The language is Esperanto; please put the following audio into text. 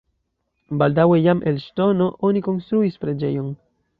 Baldaŭe jam el ŝtono oni konstruis preĝejon.